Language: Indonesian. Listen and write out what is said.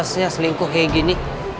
harusnya selingkuh seperti ini